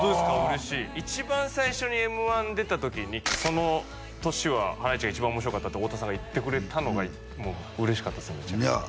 嬉しい一番最初に「Ｍ−１」出た時にその年は「ハライチが一番面白かった」って太田さんが言ってくれたのがもう嬉しかったですいや